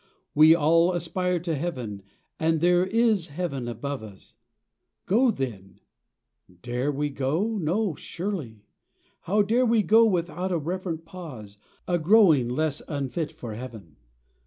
We all aspire to Heaven, and there is Heaven Above us ; go then ! Dare we go ? No surely ! How dare we go without a reverent pause, A growing less unfit for Heaven